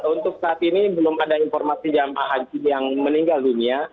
untuk saat ini belum ada informasi jemaah haji yang meninggal dunia